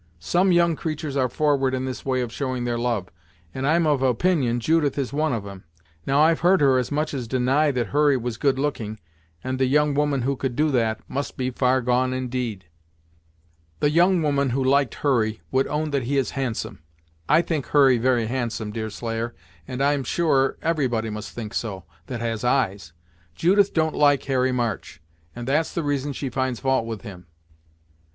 Some young creatur's are forward in this way of showing their love, and I'm of opinion Judith is one of 'em. Now, I've heard her as much as deny that Hurry was good looking, and the young woman who could do that, must be far gone indeed!" "The young woman who liked Hurry would own that he is handsome. I think Hurry very handsome, Deerslayer, and I'm sure everybody must think so, that has eyes. Judith don't like Harry March, and that's the reason she finds fault with him."